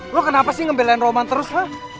lu kenapa sih ngebelain roman terus ha